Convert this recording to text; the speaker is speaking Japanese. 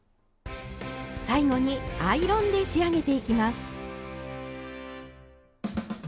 最後にアイロンで仕上げていきます。